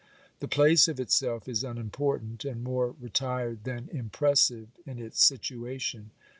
The place of itself is unimportant and more retired than impressive in its situation.